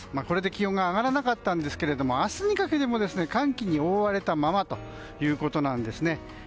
これで気温が上がらなかったんですけども明日にかけても寒気に覆われたままということなんですね。